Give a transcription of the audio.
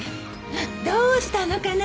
どうしたのかな？